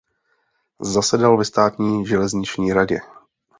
Zasedal ve státní železniční radě.